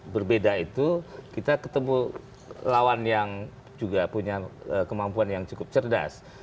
berbeda itu kita ketemu lawan yang juga punya kemampuan yang cukup cerdas